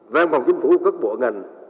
văn phòng chính phủ cất bộ ngành